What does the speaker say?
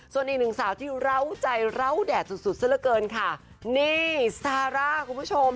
ส่วนอีกหนึ่งสาวที่เหล้าใจเหล้าแดดสุดสุดซะละเกินค่ะนี่ซาร่าคุณผู้ชม